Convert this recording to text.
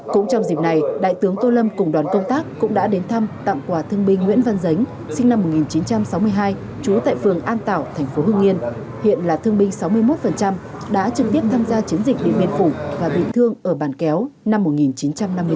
cũng trong dịp này đại tướng tô lâm cùng đoàn công tác cũng đã đến thăm tặng quà thương binh nguyễn văn dính sinh năm một nghìn chín trăm sáu mươi hai trú tại phường an tảo thành phố hương yên hiện là thương binh sáu mươi một đã trực tiếp tham gia chiến dịch điện biên phủ và bị thương ở bàn kéo năm một nghìn chín trăm năm mươi bốn